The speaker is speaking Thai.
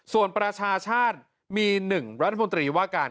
ส่วนประชาชาติมี๑รัฐมนตรีว่าการ